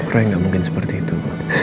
roy gak mungkin seperti itu